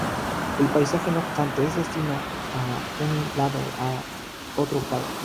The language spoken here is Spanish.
El paisaje, no obstante, es distinto a un lado y a otro del cuadro.